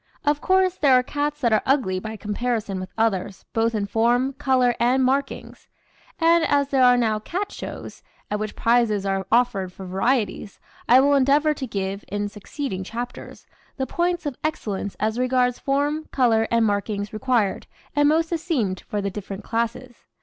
Of course there are cats that are ugly by comparison with others, both in form, colour, and markings; and as there are now cat shows, at which prizes are offered for varieties, I will endeavour to give, in succeeding chapters, the points of excellence as regards form, colour, and markings required and most esteemed for the different classes.